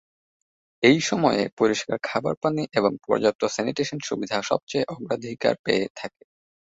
এই সময়ে পরিষ্কার খাবার পানি এবং পর্যাপ্ত স্যানিটেশন সুবিধা সবচেয়ে অগ্রাধিকার পেয়ে থাকে।